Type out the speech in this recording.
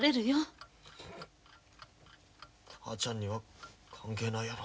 母ちゃんには関係ないやろ。